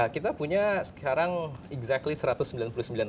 kita punya sekarang exactly satu ratus sembilan puluh sembilan triliun